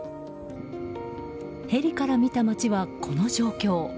ヘリから見た街はこの状況。